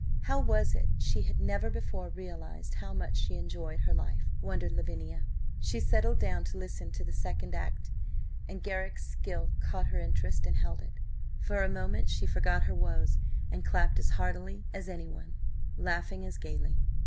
How was it she had never before realised how much she enjoyed her life? wondered Lavinia. She settled down to listen to the second act, and Garrick's skill caught her interest and held it. For a moment she forgot her woes and clapped as heartily as anyone, laughing as gaily.